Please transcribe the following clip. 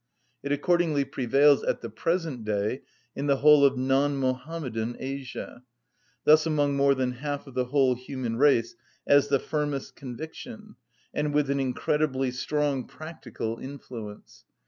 It accordingly prevails at the present day in the whole of non‐Mohammedan Asia, thus among more than half of the whole human race, as the firmest conviction, and with an incredibly strong practical influence.